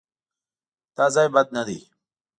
_دا ځای بد نه دی.